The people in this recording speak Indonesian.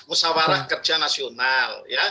musawarah kerja nasional